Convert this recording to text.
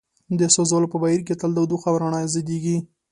د سوځولو په بهیر کې تل تودوخه او رڼا ازادیږي.